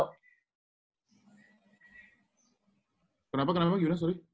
kenapa kenapa gimana sorry